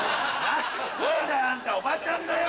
あんたおばちゃんだよ！